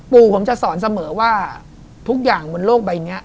ปู่ผมจะสอนเสมอว่าทุกอย่างบนโลกใบนี้